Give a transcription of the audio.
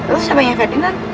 lu siapanya ferdinand